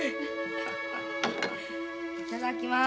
いただきます。